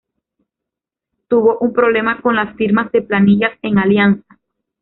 Tuvo un problema con las firmas de planillas en Alianza.